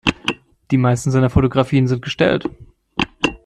Die meisten seiner Fotografien sind gestellt.